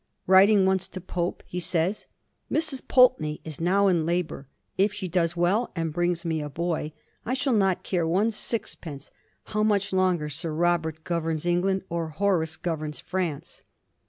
Writing once to Pope, he says, * Mrs. Pulteney is now in labour ; if she does well and brings me a boy, I shall not care one sixpence how much longer Sir Robert governs Eng land, or Horace governs France.'